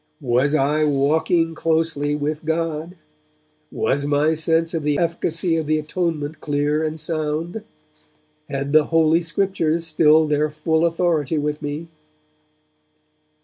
Was I 'walking closely with God'? Was my sense of the efficacy of the Atonement clear and sound? Had the Holy Scriptures still their full authority with me?